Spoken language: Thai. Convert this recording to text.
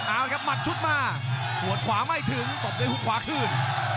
อ้าวครับมัดชุดมาหัวขวาไม่ถึงตบในหุ้นขวาขึ้น